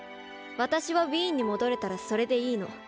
私はウィーンに戻れたらそれでいいの。